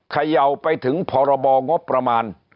เขย่าไปถึงพรบงบประมาณ